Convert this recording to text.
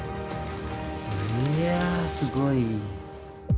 いやすごい。